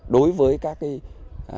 đối với các biện pháp phòng ngừa